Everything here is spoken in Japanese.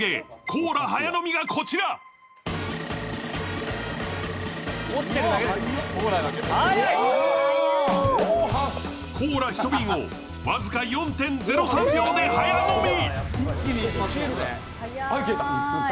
コーラ１瓶を僅か４．０３秒で早飲み！